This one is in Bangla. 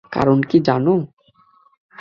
কারন কি জানো?